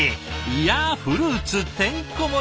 いやフルーツてんこ盛り！